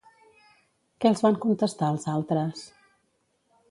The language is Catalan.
Què els van contestar els altres?